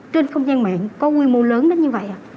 trên không gian mạng có quy mô lớn đến như vậy